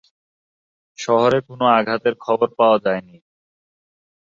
শহরে কোনও আঘাতের খবর পাওয়া যায়নি।